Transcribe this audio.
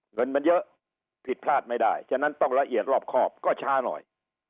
เงินมันเยอะผิดพลาดไม่ได้ฉะนั้นต้องละเอียดรอบครอบก็ช้าหน่อย